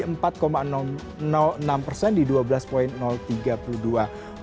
wall street menguat tajam setelah federal reserve menaikkan suku bunga acuman sebesar tujuh puluh lima basis point